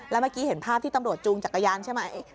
แล้วเมื่อกี้เห็นภาพที่ตำรวจจูงจักรยานใช่ไหม